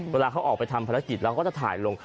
เวลาเขาออกไปทำภารกิจเราก็จะถ่ายลง